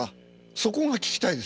そこが聞きたいです。